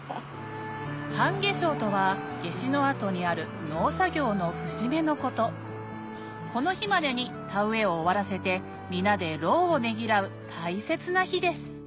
半夏生とは夏至の後にある農作業の節目のことこの日までに田植えを終わらせて皆で労をねぎらう大切な日です